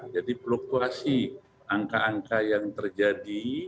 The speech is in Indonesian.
jadi pluktuasi angka angka yang terjadi